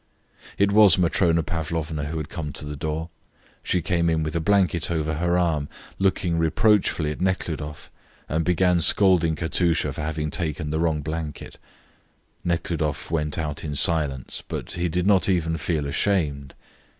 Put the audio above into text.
It was Matrona Pavlovna who had come to the door. She came in with a blanket over her arm, looked reproachfully at Nekhludoff, and began scolding Katusha for having taken the wrong blanket. Nekhludoff went out in silence, but he did not even feel ashamed.